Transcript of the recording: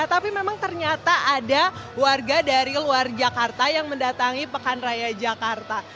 tapi memang ternyata ada warga dari luar jakarta yang mendatangi pekan raya jakarta